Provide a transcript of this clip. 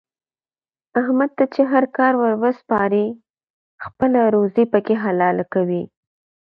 احمد ته چې هر کار ور وسپارې خپله روزي پکې حلاله کوي.